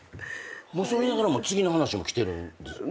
そう言いながらも次の話も来てるんですよね？